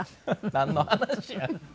なんの話や。